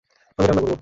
আমি রান্না করব।